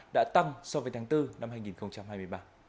hai nghìn hai mươi ba đã tăng so với tháng bốn năm hai nghìn hai mươi ba